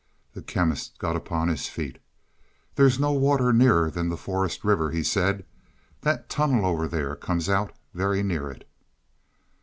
The Chemist got upon his feet. "There's no water nearer than the Forest River," he said. "That tunnel over there comes out very near it."